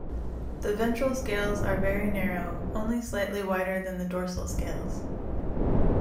The ventral scales are very narrow, only slightly wider than the dorsal scales.